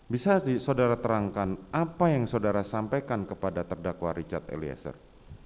bisa saudara terangkan apa yang saudara sampaikan kepada terdakwa richard eliezer